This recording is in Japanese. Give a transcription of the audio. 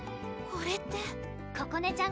これってここね